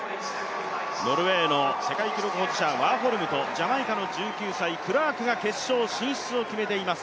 ノルウェーの世界記録保持者ワーホルムとジャマイカの１９歳、クラークが決勝進出を決めています。